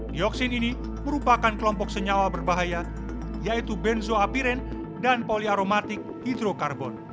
dioksin ini merupakan kelompok senyawa berbahaya yaitu benzoapiren dan poliaromatik hidrokarbon